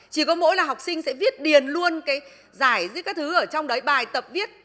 chỉ có mỗi là học sinh sẽ viết điền luôn cái giải giữa các thứ ở trong đấy bài tập viết